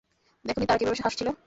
দেখোনি তারা কিভাবে হাসছিল?